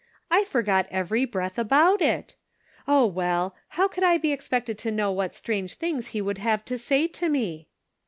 I forgot every breath about it ! Oh, well, how could I be expected to know what strange things he would have to say to me